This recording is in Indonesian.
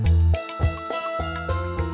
deni keselamatan kamu